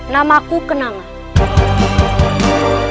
nama aku kenang